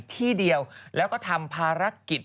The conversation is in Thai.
ที่เดียวแล้วก็ทำภารกิจ